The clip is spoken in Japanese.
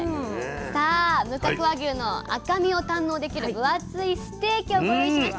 さあ無角和牛の赤身を堪能できる分厚いステーキをご用意しました。